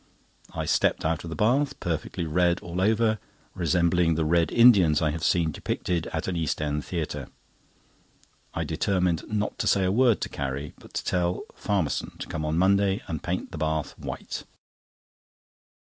I stepped out of the bath, perfectly red all over, resembling the Red Indians I have seen depicted at an East End theatre. I determined not to say a word to Carrie, but to tell Farmerson to come on Monday and paint the bath white.